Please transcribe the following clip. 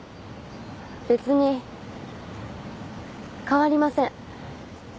別に変わりません。